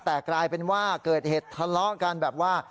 แต่กลายเป็นว่าเกิดเหตุทะเลาะกันแบบว่า